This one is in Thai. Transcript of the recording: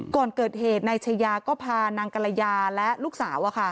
ก่อนเกิดเหตุนายชายาก็พานางกรยาและลูกสาว